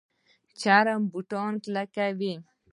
چرم بوټان کلک وي